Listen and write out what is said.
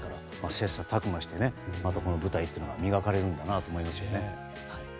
切磋琢磨してまた舞台というのが磨かれるんだなと思いますね。